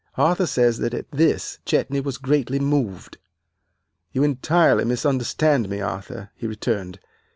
"Arthur says that at this Chetney was greatly moved. "'You entirely misunderstand me, Arthur,' he returned.